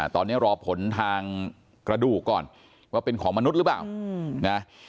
ตอนนี้รอผลทางกระดูกก่อนว่าเป็นของมนุษย์หรือเปล่านะ